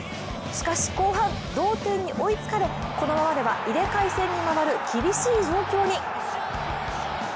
しかし、後半、同点に追いつかれこのままでは入れ替え戦にまわる厳しい状況に。